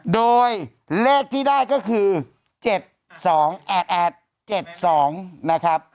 โดยเลขที่ได้ก็คือ๗๒๘๘๗๒นะครับ